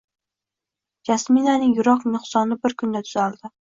Jasminaning yurak nuqsoni bir kunda tuzaldi